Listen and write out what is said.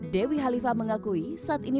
dewi halifa mengakui saat ini